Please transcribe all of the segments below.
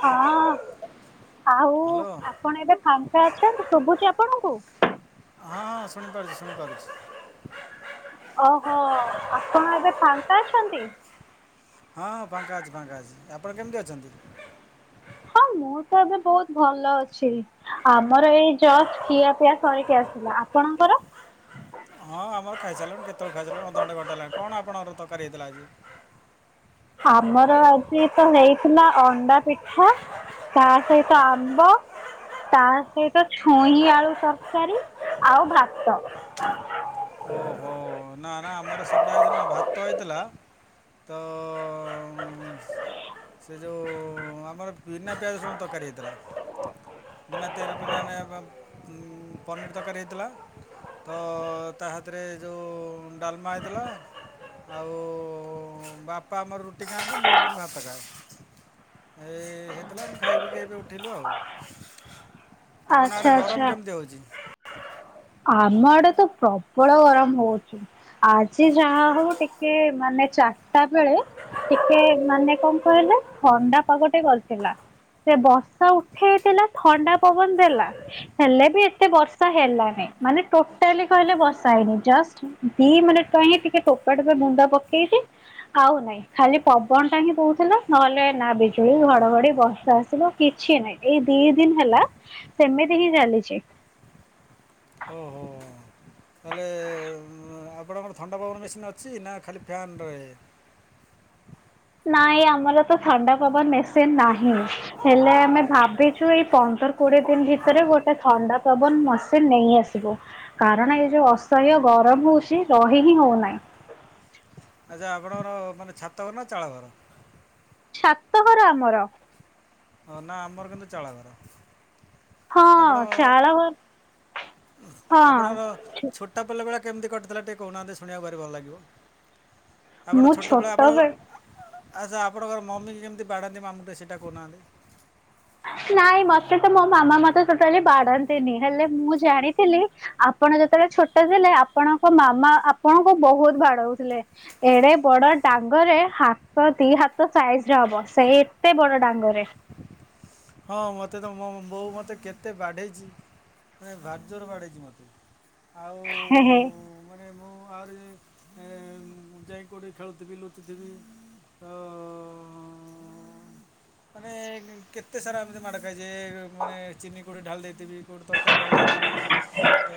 ହଁ ଆଉ ହ୍ୟାଲୋ ହଁ ଆପଣ ଏବେ ଫାଙ୍କା ଅଛନ୍ତି ଶୁଭୁଛି ଆପଣଙ୍କୁ। ହଁ ଶୁଣିପାରୁଛି ଶୁଣିପାରୁଛି। ଓହୋ ଆପଣ ଏବେ ଫାଙ୍କା ଅଛନ୍ତି। ହଁ ଫାଙ୍କା ଅଛି ଫାଙ୍କା ଅଛି। ଆପଣ କେମିତି ଅଛନ୍ତି? ହଁ ମୁଁ ତ ଏବେ ବହୁତ ଭଲ ଅଛି। ଆମର ଏଇ ଜଷ୍ଟ ଖିଆ ପିଆ ସରିକି ଆସିଲା। ଆପଣଙ୍କର ହଁ ଆମର ଖାଇସାରିଲୁଣି କେତେବେଳୁ ଖାଇସାରିଲୁଣି ଅଧଘଣ୍ଟେ ଘଣ୍ଟେ ହେଲାଣି। କଣ ଆପଣଙ୍କର ତରକାରୀ ହେଇଥିଲା ଆଜି? ଆମର ଆଜି ତ ହେଇଥିଲା ଅଣ୍ଡା ପିଠା ତା ସହିତ ଆମ୍ବ ତା ସହିତ ଛୁଇଁ ଆଳୁ ତରକାରୀ ଆଉ ଭାତ। ଓହୋ ନା ନା ଆମର ସେଗୁଡ଼ା ହେଇନି ଭାତ ହେଇଥିଲା। ତ ସେ ଯୋଉ ଆମର ବିନା ପିଆଜ ରସୁଣ ତରକାରୀ ହେଇଥିଲା। ବିନା ପିଆଜ ରସୁଣ ଆମେ ପନିର ତରକାରୀ ହେଇଥିଲା। ତା ସାଥିରେ ଜଉ ଡାଲମା ହେଇଥିଲା ଆଉ ବାପା ଆମର ରୁଟି ଖାଆନ୍ତି ମୁଁ କିନ୍ତୁ ଭାତ ଖାାଏ। ଏଇ ହେଇଥିଲା ଆମେ ଖାଇ ପିଇକି ଏବେ ଉଠିଲୁ ଆଉ। ଆପଣ ଆଡ଼େ ଆଚ୍ଛା ଗରମ ଆଚ୍ଛା କେମିତି ହେଉଛି? ଆମ ଆଡ଼େ ତ ପ୍ରବଳ ଗରମ ହଉଛି। ଆଜି ଯାହା ହଉ ଟିକେ ମାନେ ଚାରିଟା ବେଳେ ଟିକେ ମାନେ କଣ କହିଲେ ଥଣ୍ଡା ପାଗଟେ କରିଥିଲା। ସେ ବର୍ଷା ଉଠେଇଥିଲା ଥଣ୍ଡା ପବନ ଦେଲା ହେଲେ ବି ଏତେ ବର୍ଷା ହେଲାନି। ମାନେ ଟୋଟାଲି କହିଲେ ବର୍ଷା ହେଇନି। ଜଷ୍ଟ ଦି ମିନିଟ ପାଇଁ ଟୋପା ଟୋପା ଗୁଣ୍ଡ ପକେଇଛି ଆଉ ନାଇଁ। ଖାଲି ପବନ ଟା ହିଁ ବହୁଥିଲା ନହେଲେ ନା ବିଜୁଳି ଘଡ ଘଡି ବର୍ଷା ଆସିବ କିଛି ନାଇଁ। ଏଇ ଦି ଦିନ ହେଲା ସେମିତି ହିଁ ଚାଲିଛି। ଓହୋ। ତାହେଲେ ଆପଣଙ୍କର ଥଣ୍ଡା ପବନ ମେସିନ୍ ଅଛି ନା ଖାଲି ଫ୍ୟାନ୍ ତଳେ ନାଇଁ ଆମର ତ ଥଣ୍ଡା ପବନ ମେସିନ୍ ନାହିଁ। ହେଲେ ଆମେ ଭାବିଛୁ ଏଇ ପନ୍ଦର କୋଡିଏ ଦିନ ଭିତରେ ଗୋଟେ ଥଣ୍ଡା ପବନ ମେସିନ ନେଇ ଆସିବୁ। କାରଣ ଏଇ ଯୋଉ ଅସହ୍ୟ ଗରମ ହଉଛି ରହି ହିଁ ହଉନାହିଁ। ଆଚ୍ଛା ଆପଣଙ୍କର ମାନେ ଛାତଘର ନା ଚାଳଘର। ଛାତ ଘର ଆମର। ଓ ନା ଆମର କିନ୍ତୁ ଚାଳଘର। ହଁ ଆପଣ ଚାଳ ଘର ଆପଣଙ୍କ ହଁ ଛୋଟ ପିଲା ବେଳ କେମିତି କଟିଥିଲା ଟିକେ କହୁନାହାନ୍ତି ଶୁଣିବାକୁ ଭାରି ଭଲ ଲାଗିବ। ଆପଣ ମୁଁ ଛୋଟପିଲା ବେଳୁ ଛୋଟବେଳେ ଆଛା ଆପଣଙ୍କର ମମି କେମିତି ବାଡ଼ାନ୍ତି ଆମକୁ ସେଇଟା କହୁନାହାନ୍ତି। ନାଇଁ ମତେ ତ ମୋ ମାମା ମତେ ଟୋଟାଲି ବାଡାନ୍ତିନି ହେଲେ ମୁଁ ଜାଣିଥିଲି ଆପଣ ଯେତେବେଳେ ଛୋଟ ଥିଲେ ଆପଣଙ୍କ ମାମା ଆପଣଙ୍କୁ ବୋହୁତ୍ ବାଡୋଉଥିଲେ। ଏଡେ ବଡ ଡାଙ୍ଗରେ ହାତ ଦି ହାତ ସାଇଜ୍ ରେ ହବ ସେ ଏତେ ବଡ ଡାଙ୍ଗରେ। ହଁ ମତେ ତ ମୋ ବୋଉ ମତେ କେତେ ବାଡେଇଚି। ନାଇଁ ଭାରି ଜୋର୍ର ବାଡ଼େଇଚି ମତେ ଆଉ ହେ ହେ। ମାନେ ମୁଁ ଆହୁରି ଯାଇଁ ଏଁ ଯାଇଁକି କୋଉଠି ଖେଳୁଥିବି ଲୁଚୁଥିବି। ଓ---ମାନେ କେ ଏତେ ସାରା ଏମିତି ମାଡ଼ ଖାଇଚି ଉଁ ମାନେ ଚିନି କୋଉଠି ଢାଳି ଦେଇଥିବି କୋଉଠି ତର୍କାରୀ ଢାଳି ଦେଇଥିବି। ତ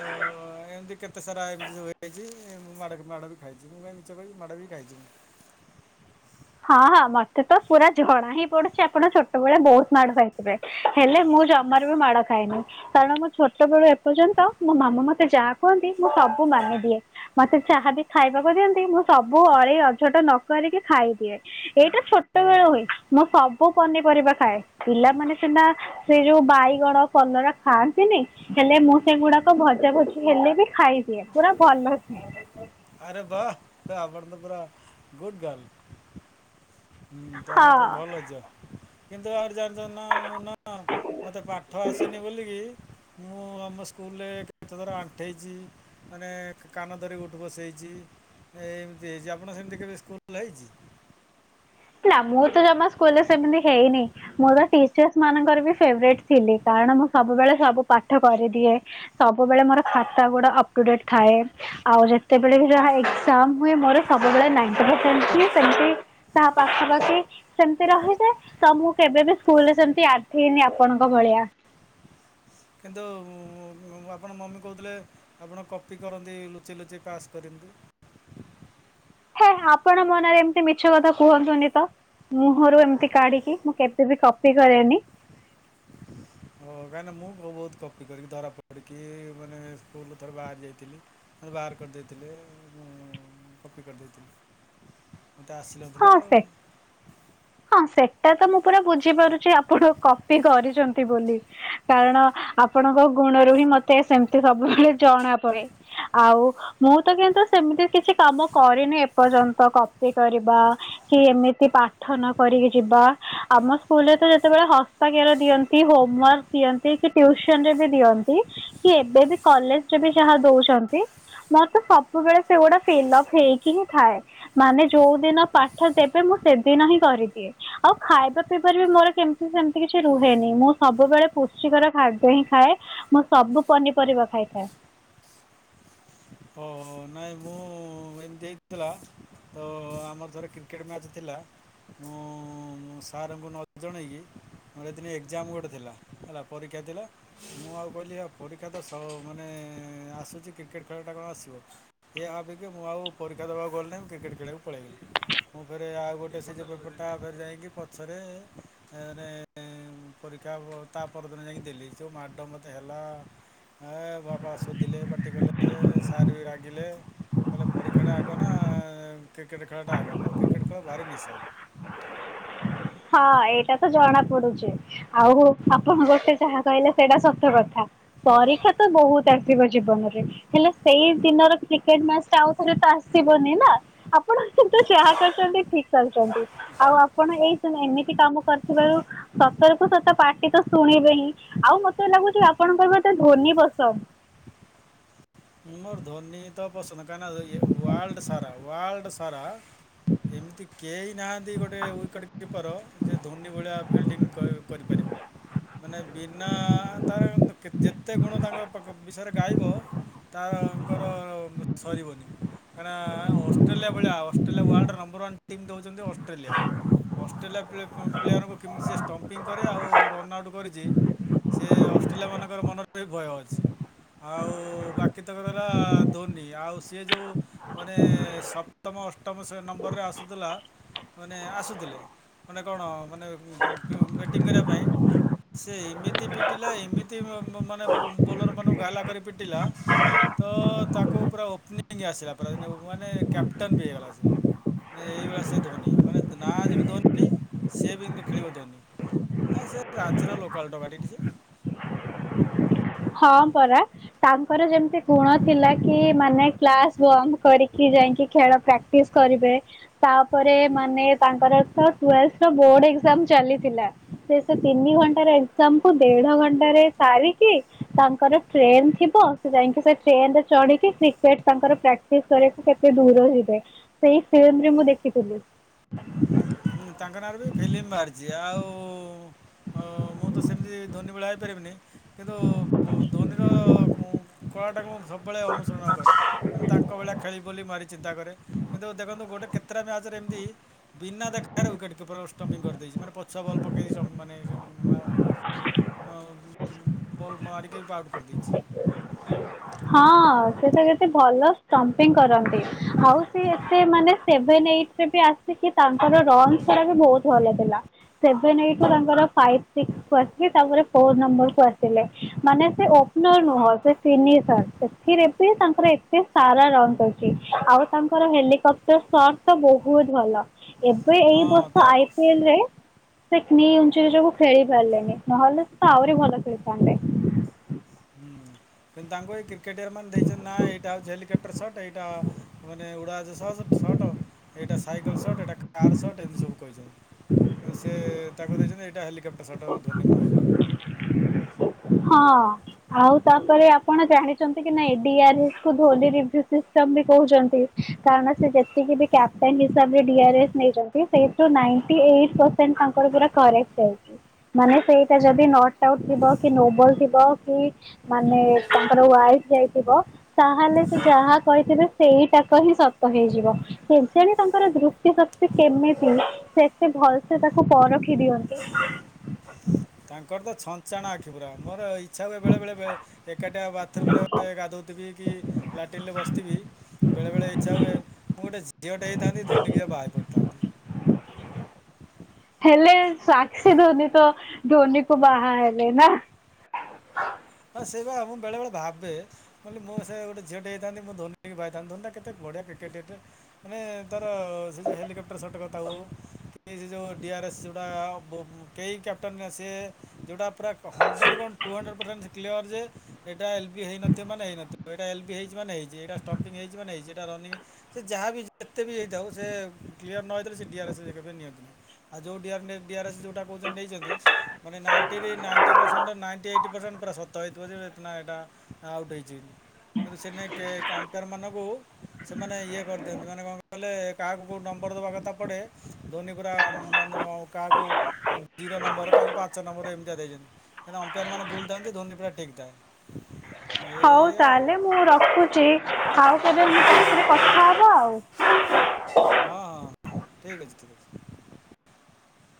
ଏମିତି କେତେ ସାରା ଏମିତି ସବୁ ହେଇଚି ମୁଁ ମାଡ ଖା ମାଡ ବି ଖାଇଚି ମୁଁ କାଇଁ ମି ଛ କହିବି ମାଡ଼ା ବି କାଇଚି ମୁଁ। ହଁ ହଁ ମତେ ତ ପୁରା ଜଣା ହିଁ ପଡୁଛି ଆପଣ ଛୋଟବେଳେ ବୋହୁତ୍ ମାଡ ଖାଇଥିବେ ହେଲେ ମୁଁ ଜମାରୁ ବି ମାଡ ଖାଇନି। କାରଣ ମୋ ଛୋଟବେଳୁ ଏପର୍ଯ୍ୟନ୍ତ ମୋ ମାମା ମତେ ଯାଆ କୁଅନ୍ତି ମୁଁ ସବୁ ମାନିଦିଏ। ମତେ ଚାହା ବି ଖାଇବାକୁ ଦିଅନ୍ତି ମୁଁ ସବୁ ଅଳି ଅଝଟ ନ କରିକି ଖାଇ ଏଇଟା ଛୋଟ ହଁ ବେଳୁ ହୋଇଛି ମୁଁ ସବୁ ପନିପରିବା ଖାଏ ପିଲାମାନେ ସିନା ସେଇ ଯୋଉ ବାଇଗଣ କଲରା ଖାଆନ୍ତିନେଇଁ। ହେଲେ ମୁଁ ସେଗୁଡାକ ଭଜା ଭଜି ହେଲେ ବି ଖାଇଦିଏ ପୁରା ଭଲକି। ଆରେ ବାଃ ତ ଆପଣ ତ ପୁରା ଗୁଡ୍ ଗାର୍ଲ। ହୁଁ ତାହାନେ ଆପଣ ହଁ ଭଲ ଝିଅ କିନ୍ତୁ ଆମର ଏଠି ଜନ୍ ନିଜ ନାଁ ମୋ ନାଁ ମତେ ପାଠ ଆସେନି ବୋଲିକି। ମୁଁ ଆମ ସ୍କୁଲ୍ ରେ କେତଥର ଆଣ୍ଠେଇଛି ମାନେ କାନ ଧରି ଉ ଉଠ୍ ବସ୍ ହେଇଚି ଏ ଏମ୍ତି ହେଇଚି ଆପଣ ସେମ୍ତି କେବେ ସ୍କୁଲ୍ ରେ ହେଇଚି? ନା ମୁଁ ତ ଜମା ସ୍କୁଲ୍ ରେ ସେମିତି ହେଇନେଇଁ। ମୋର ପା ଟିଚର୍ସ ମାନଙ୍କର ବି ଫେବ୍ରେଟ ଥିଲି କାରଣ ମୁଁ ସବୁବେଳେ ସବୁ ପାଠ କରିଦିଏ। ସବୁବେଳେ ମୋର ଖାତା ଗୁଡା ଅପ୍ଟୁଡେଟ୍ ଥାଏ। ଆଉ ଯେତେବେଳେ ବି ସେଟାହା ଏକ୍ସଜାମ ହୁଏ ମୋର ସବୁବେଳେ ନାଇଣ୍ଟି ପରସେଣ୍ଟ ହିଁ ସେମିତି ତାହା ପାଖା ପାଖି ସେମ୍ତି ରହିଥାଏ ତ ମୁଁ କେବେ ବିି ସ୍କୁଲ୍ ରେ ସେମ୍ତି ଆଣ୍ଟେଇନି ଆପଣଙ୍କ ଭଳିଆ। କିନ୍ତୁ ଆପଣ ମମି କୋହୁଥିଲେ। ଆପଣ କପି କରନ୍ତି ଲୁଚି ଲୁଚି କାସ୍ କରି ଏମିତି। ହେ ଆପଣ ମନରେ ଏମିତି ମିଛ କଥା କୁହନ୍ତୁନି ତ? ମୁହଁରୁ ଏମିତି କାଢିକି ମୁଁ କେପେ ବି କପି କରେନି। ହଁ କାହିଁକି ନା ମୁଁ ଭୋ ବୋହୁତ କପି କରିକି ଧରା ପଡିକି ମାନେ ସ୍କୁଲ୍ ରୁ ଥରେ ବାହାରି ଯାଇଥିଲି। ମତେ ବାହାର କରିଦେଇଥିଲେ ମୁଁ କପି କରିଦେଇଥିଲି। ମତେ ହଁ ଆସିନଥିଲା ଆଉ। ସେ ହଁ ସେଟା ତ ମୁଁ ପୁରା ବୁଝିପାରୁଛି ଆପଣ କପି କରିଚନ୍ତି ବୋଲି। କାରଣ ଆପଣଙ୍କ ଗୁଣରୁ ହିଁ ମତେ ସେମ୍ତି ସବୁବେଳେ ଜଣା ପଡ଼େ। ଆଉ ମୁଁ ତ କିନ୍ତୁ ସେମିତି କିଛି କାମ କରିନି ଏପର୍ଯନ୍ତ କପି କରି ବା କି ଏମିତି ପାଠ ନ କରିକି ଯିବା ଆମ ସ୍କୁଲ୍ ରେ ତ ଯେତେବେଳେ ହସ୍ତାକ୍ଷର ଦିଅନ୍ତି ହୋମୱାର୍କ ଦିଅନ୍ତି କି ଟ୍ୟୁସନ୍ ରେ ବି ଦିଅନ୍ତି କି ଏବେ ବି କଲେଜ ରେ ବି ଯାହା ଦୋଉଛନ୍ତି। ମୋର ତ ସବୁବେଳେ ସେଗୁଡା ଫିଲ୍ଅପ୍ ହେଇକି ହିଁ ଥାଏ ମାନେ ଯୋଉ ଦିନ ପାଠ ଦେବେ ମୁଁ ସେଦିନ ହିଁ କରିଦିଏ। ଆଉ ଖାଇବା ପିଇବାରେ ବି ମୋର କେମ୍ତି ସେମ୍ତି କିଛି ରୁହେନି ମୁଁ ସବୁବେଳେ ପୁଷ୍ଟିକର ଖାଦ୍ୟ ହିଁ ଖାଏ। ମୁଁ ସବୁ ପନିପରିବା ଖାଇଥାଏ। ଓ ନାଇଁ ମୁଁ ଏମିତି ଦେଇଥିଲା ତ ଆମର ଥରେ କ୍ରିକେଟ ମ୍ୟାଚ୍ ଥିଲା ମୁଁ ମଁ ସାରଙ୍କୁ ନ ଜଣେଇକି ମୋର ଦିନ ଏକ୍ଜାମ ଗୋଟେ ଥିଲା ହେଲା ପରୀକ୍ଷା ଥିଲା ମୁଁ ଆଉ କହିଲି ପରୀକ୍ଷା ତ ସ ମାନେ ଆସୁଛି କ୍ରିକେଟ୍ ଖେଳଟା କଣ ଆସିବ ଏହା ଭାବିକି ମୁଁ ଆଉ ପରୀକ୍ଷା ଦେବାକୁ ଗଲି ନାହିଁ ମୁଁ କ୍ରିକେଟ୍ ଖେଳକୁ ପଳେଇଲି ମୁଁ ଫେରେ ଆଉ ଗୋଟେ ସିଜ ପେପରଟା ଫରେ ଯାଇକି ପଛରେ ମାନେ ପରୀକ୍ଷା ତା ପରଦିନ ଯାଇକି ଦେଲି ଯେଉ ମାଡ଼ ମୋତେ ହେଲା ହ ବାପା ଶୁଧିଲେ ପାଟି କଲେ ସାର୍ ବି ରାଗିଲେ କଲେ ପରୀକ୍ଷାଟା ଆଗ ନା କ୍ରିକେଟ ଖେଳଟା ଆଗ ଆମର କ୍ରିକେଟ ଖେଳ ଭାରି ନିଶା ହଁ ଏଇଟା ତ ଜଣା ପଡୁଛି ଆଉ ଆପଣ ଗୋଟେ ଯାହା କହିଲେ ସେଇଟା ସତକ ଥା ପରୀକ୍ଷା ତ ବହୁତ କି ଆସିବ ଜୀବନରେ ହେଲେ ସେଇ ଦିନର କ୍ରିକେଟ ମ୍ୟାଚ୍ ଟା ଆଉ ଥରେ ତ ଆସିବନି ନା। ଆପଣ କିନ୍ତୁ ଯାହା କରିଚନ୍ତି ଠିକ ଚାଲିଚନ୍ତି ଆଉ ଆପଣ ଏଇ ପୁଣି ଏମିତି କାମ କରିଥିବାରୁ ସତରକୁୁ ସତ ପାଟି ତ ଶୁଣିବେ ହିଁ ଆଉ ମତେ ଲାଗୁଚି ଆପଣଙ୍କର ତ ବୋଧେ ଧୋନି ପସନ୍ଦ। ମୋର ଧୋନି ତ ପସନ୍ଦ କାଇଁକି ନା ଇଏ ୱାର୍ଲ୍ଡ ସାରା ୱାର୍ଲ୍ଡ ସାରା [unintelligible] ଏମିତି କେଇ ନାହାନ୍ତି ଗୋଟେ ୱିକେଟ୍ କିପର୍ ଯେ ଧୋନି ଭଳିଆ ଫିଲ୍ଡିଂ କ କରିପାରିବ। ମାନେ ବିନା ତାର ଇନ୍ତି ଯେତେ ଗୁଣ ତାଙ୍କ ପାକ ବିଷୟରେ ଗାଇବ ତାଆଙ୍କର ସରିବନି। କାଇଁନା ଅଷ୍ଟ୍ରେଲିଆ ଭଳିଆ ଅଷ୍ଟ୍ରେଲିଆ ୱାର୍ଲ୍ଡ ର ନମ୍ବର ୱାନ ଟିମ୍ ତ ହଉଚନ୍ତି ଅଷ୍ଟ୍ରେଲିଆ। ଅଷ୍ଟ୍ରେଲିଆ ପ୍ଲେ ପ୍ଲେୟାରଙ୍କୁ କେମିତି ସେ ଷ୍ଟମ୍ପିଙ୍ଗ କରେ ଆଉ ରନ୍ଆଉଟ୍ କରିଚି ସେ ଅଷ୍ଟ୍ରେଲିଆ ମାନଙ୍କର ମନରେ ବି ଭୟ ଅଛି ଆଉ ବା କି ତକ ରଇଲା ଧୋନି ଆଉ ସିଏ ଯୋଉ ମାନେ ସପ୍ତମ ଅଷ୍ଟମ ସେ ନମ୍ବରରେ ଆସୁଥିଲା ମାନେ ଆସୁଥିଲେ ମାନେ କଣ ମାନେ ଉଁ ବେଟିଂ କରିବା ପାଇଁ ସେ ଏମିତି ପିଟିଲା ଏମିତି ବ ମ ମାନେ ବୋଲର ମାନଙ୍କୁ ଗାଲା କରି ପିଟିଲା ତ ତାକୁ ପୁରା ଓପନିଂ ଆସିଲା ପୁରା ଯେ ମାନେ କ୍ୟାପଟନ ବି ହେଇଗଲା ସେ। ମାନେ ଏଇଭଳିଆ ସେ ଧୋନି ମାନେ ନାଁ ଯେମିତି ଧୋନି ସିଏ ବି ଏମିତି ଖେଳିବ ଧୋନି। ଆ ସେ ରାଞ୍ଚିର ଲୋକାଲ ଟୋକା ଟି ସେ। ହଁ ପରା। ତାଙ୍କର ଯେମିତି ଗୁଣ ଥିଲା କି ମାନେ କ୍ଲାସ ବନ୍ଦ୍ କରିକି ଯାଇଁକି ଖେଳ ପ୍ରାକ୍ ଟିସ୍ କରିବେ। ତାପରେ ମାନେ ତାଙ୍କର ତ ଟ୍ୱେଲ୍ଥର ବୋଡ ଏକ୍ଜାମ୍ ଚାଲିଥିଲା ସେ ସେ ତିନି ଘଣ୍ଟାରେ ଏକ୍ଜାମ କୁ ଦେଢ ଘଣ୍ଟାରେ ସାରିକି ତାଙ୍କର ଟ୍ରେନ ଥିବ ସେ ଯାଇକି ସେ ଟ୍ରେନ ରେ ଚଢିକି କ୍ରିକେଟ ତାଙ୍କର ପ୍ରାକ୍ ଟିସ କରୀଆକୁ କେତେ ଦୂର ଯିବେ ସେଇ ଫିଲ୍ମରେ ମୁଁ ଦେଖିଥିଲି। ହୁଁ ତାଙ୍କ ନାଁରେ ବି ଫିଲ୍ମ ବାହାରିଚି ଆଉ ଉଁ ଅ ମୁଁ ତ ସେମିତି ଧୋନି ଭଳିଆ ହେଇପାରିବିନି କିନ୍ତୁ ଧୋନିର କୁଂ କଳାଟାକୁ ମୁଁ ସବୁବେଳେ ଅନୁସରଣ କରେ। ଆମ ତାଙ୍କ ଭଳିଆ ଖେଳି ବୋଲି ମାରି ଚିନ୍ତା କରେ କିନ୍ତୁ ଦେଖନ୍ତୁ ଗୋଟେ କେତଟା ମ୍ୟାଚ୍ ରେ ଏମିତି ବିନା ଦେଖ ଖା ରେ ୱିକେଟ୍ କିପର ଷ୍ଟମ୍ପିଙ୍ଗ କରିଦେଇଚି ମାନେ ପଛ ବଲ୍ ପକେଇ ସବ୍ ମାନେ ମାମ ମାମ ଆଚ୍ଛା। ବଲ ମାରିକି ପାର କରିଦେଇଚି। ହଁ ସେ ତ ଗୋଟେ ଭଲ ଷ୍ଟମ୍ପିଙ୍ଗ କରନ୍ତି ଆଉ ସିଏ ସେ ମାନେ ସେଭେନ ଏଇଟିରେ ବି ଆସିକି ତାଙ୍କର ରନ ସାରା ବି ବହୁତ ଭଲ ଥିଲା। ସେଭନ ଏଇଟି ତାଙ୍କର ଫାଇଫ ସିକ୍ସ କୁ ଆସି ତାଙ୍କର ଫୋର ନମ୍ବର କୁ ଆସିଲେ ମାନେ ସେ ଓପ [unintelligible] ନୁହ ସେ ତିନି ସାର ସେଥିରେ ବି ତାଙ୍କର ଏତେ ସାରା ରନ୍ କଉଛି ଆଉ ତାଙ୍କର ହେଲିକାପ୍ଟର ସଟ ତ ବହୁତ ଭଲ ଏବେ ହଁ ଏଇ ବର୍ଷ ଆଇ ତା ରେ [unintelligible] ଖେଳି ପାରିଲେନି ନହେଲେ ତ ଆହୁରି ଭଲ ଖେଳିଥାନ୍ତେ। ହୁଁ। କିନ୍ତୁ ତାଙ୍କୁ ଏଇ କ୍ରିକେଟିୟର ମାନେ ଦେଇଚନ୍ତି ନା ଏଇଟା ହଉଚି ହେଲିକପ୍ଟର ସଟ୍ ଏଇଟା ମାନେ ଉଡାଜାହାଜ ସଚ ସଟ ଏଇଟା ସାଇକେଲ ସଟ ଏଇଟା କାର୍ ସଟ ଏମିତି ସବୁ କହିଚନ୍ତି। ତ ସେ ତାକୁ ଦେଇଚନ୍ତି ଏଇଟା ହେଲିକପ୍ଟର ସଟ ଏ ଧୋନି ମାଙ୍କୁ ହଁ ଆଉ ତାପରେ ଆପଣ ଜାଣିଛନ୍ତି କି ନାଇଁ ଡିଆରେସ କୁ ଧୋନି ରିଭ୍ୟୁ ସିଷ୍ଟମ ବି କହୁଚନ୍ତି। କାରଣ ସେ ଯେତିକି ବି କ୍ୟାପଟେନ ହିସାବରେ ଡିଆରେସ ନେଇଚନ୍ତି ସେଇଥିରୁ ନାଇଣ୍ଟୀ ଏଇଟ୍ ପସ ସେଣ୍ଟ ତାଙ୍କର ପୁରା କରେକ୍ଟ ରହୁଚି ମାନେ ସେଇଟା ଯଦି ନଟ ଆଉଟ୍ ଥିବ କି ନୋବଲ ଥିବ କି ମାନେ ତାଙ୍କର ୱାଲଫାଇ ଥିବ। ତାହେଲେ ସେ ଯାହା କହିଥିବେ ସେଇଟାକ ହିଁ ସତ ହେଇଯିବ। କେଜାଣି ତାଙ୍କର ଦୃଷ୍ଟି ଶକ୍ତି କେମିତି। ସେ ଏତେ ଭଲ ସେ ତାକୁ ପରଖି ଦିଅନ୍ତି। ତାଙ୍କର ତ ଛଞ୍ଚାଣ ଆଖି ପୁରା ମୋର ଇଚ୍ଛା ହୁଏ ବେଳେବେଳେବେ ଏକାଟିଆ ବାର୍ଥରୁମ ରେ ଗାଧୋଉଥିବି କି ଲାଟିନ୍‌ ରେ ବସିଥିବି। ବେଳେବେଳେ ଇଚ୍ଛା ହୁଏ, ମୁଁ ଗୋଟେ ଝିଅଟେ ହେଇଥାନ୍ତି ଧୋନୀ କିଏ ବାହା ହୋଇ ପଡ଼ିଥାନ୍ତି। ହେଲେ ସାକ୍ଷୀ ଧୋନି ତ ଧୋନି କୁ ବାହା ହେଲେ ନା। ହଁ ସେଇ ବା ମୁଁ ବେଳେ ବେଳେ ଭାବେ କହିଲି ମୁଁ ସେ ଗୋଟେ ଝିଅଟେ ହେଇଥାନ୍ତି ମୁଁ ଧୋନି କି ବାହା ହୋଇଥାନ୍ତି, ଧୋନିଟା କେତେ ବଢ଼ିଆ କ୍ରିକେଟେ ଟେ ମାନେ ତାର ସେ ଯେଉ ହେଲିକ୍ୟାପ୍ ଟର ସଟ କଥା ହଉ ସେ ଯୋଉ ଡିଆର୍ ଏସ୍ ଯୋଉଟା ବୋ କେ କ୍ୟାପ୍ଟେନ ସେ ଯୋଉଟା ପୁରା ହଣ୍ଡ୍ରେଡ଼ କ ଶ [unintelligible] କ୍ଲିୟର ଯେ ଏଇଟା ଏଲ ବି ହେଇନଥିବ ମାନେ ହେଇନଥିବ, ଏଟା ଏଲ୍ ବି ହେଇଛି ମାନେ ହେଇଛି। ଯେ ଏଇଟା ଷ୍ଟମ୍ପଙ୍ଗ ହେଇଛିି ମାନେ ହେଇଛି ସେଇଟା ରନିଂ ସେ ଯାହା ବିି ଯେତେ ବି ହେଇଥାଉ ସେ କ୍ଲିୟର ନ ହେଇଥିଲେ ସେ ଡିଆର ଏସ କେବେ ନିଅନ୍ତି ନି। ଆଉ ଯୋଉ ଡିଆର୍ ନେ ଡିଆର ଏର୍ସ ଯୋଉଟା କହୁଛନ୍ତି ନେଇଛନ୍ତି ମାନେ ନାଇଣ୍ଟି ରି ନାଇଣ୍ଟିସ ନାଇଣ୍ଟ [unintelligible] ତ ହେଇଥିବ ଯେ ଏନା ଏଇଟା ଆଉଟ୍ ହେଇଛି। କିନ୍ତୁ ସେନାଇ କେ ଅମ୍ପେୟାର ମାନଙ୍କୁ ସେମାନେ ଇଏ କରିଦିଅନ୍ତି ମାନେ କଣ କହିଲେ କାହାକୁ କୋଉ ନମ୍ବର ଦେବା କଥା ପଡ଼େ ଧୋନି ପୁରା ମାନେ ଦ ଅ କାହାକୁ ଜିରୋ ନମ୍ବର କାହାକୁ ପାଞ୍ଚ ନମ୍ବରରେ ଏମତି ଦେଇଛନ୍ତି ଅମ୍ପାୟାର ମାନେ ଭୁଲଥାନ୍ତୁ ଧୋନି ପୁରା ଠିକ୍ ଥାଏ। ହଉ ଏଇଆ ଆଉ ତାହେଲେ ମୁଁ ରଖୁଛି ଆଉ କେବେ ମୋ ସାଥିରେ କଥା ହବ ଆଉ। ହଁ ହଁ ହଁ ଠିକ୍ ଅଛି ଠିକ୍ ଅଛି।